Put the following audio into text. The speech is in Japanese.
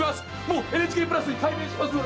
もうＮＨＫプラスに改名します！